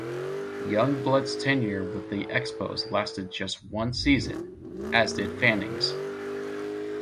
Youngblood's tenure with the Expos lasted just one season, as did Fanning's.